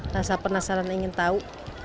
rasa penasaran ingin tahu